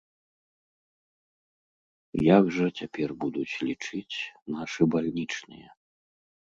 Як жа цяпер будуць лічыць нашы бальнічныя?